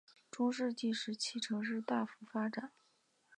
中世纪时期城市大幅发展。